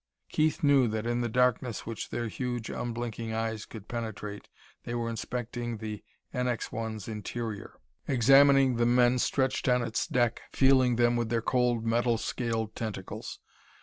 Keith knew that in the darkness which their huge unblinking eyes could penetrate they were inspecting the NX 1's interior, examining the men stretched on its deck, feeling them with their cold metal scaled tentacles.